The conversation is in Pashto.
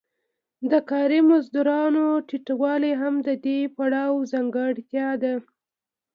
د کاري مزدونو ټیټوالی هم د دې پړاو ځانګړتیا ده